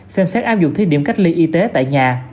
xem xét áp dụng thí điểm cách ly y tế tại nhà